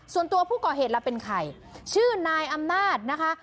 ส่วนตัวผู้ก่อเหตุล่ะเป็นใครชื่อนายอำนาจนะคะ